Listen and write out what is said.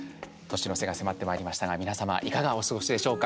年の瀬が迫ってまいりましたが皆様、いかがお過ごしでしょうか。